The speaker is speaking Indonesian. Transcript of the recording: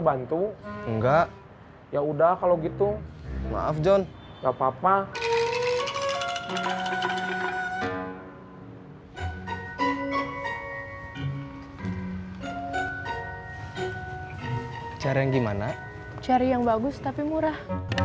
bantu enggak ya udah kalau gitu maaf john nggak apa apa cara yang gimana cari yang bagus tapi murah